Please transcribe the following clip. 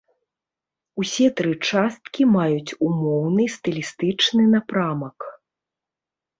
Усе тры часткі маюць умоўны стылістычны напрамак.